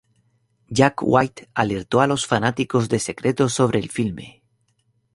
Jack White alertó a los fanáticos de secretos sobre el filme.